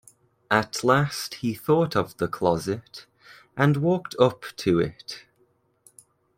At last he thought of the closet, and walked up to it.